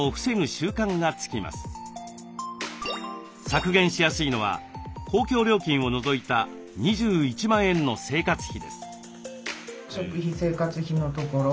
削減しやすいのは公共料金を除いた２１万円の生活費です。